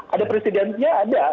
ada presidennya ada